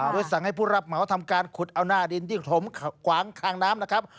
โดยสั่งให้ผู้รับเหมาทำการขุดเอาหน้าดินที่ถมขวางข้างน้ำนะครับ